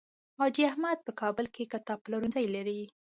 حاجي احمد په کابل کې کتاب پلورنځی لري.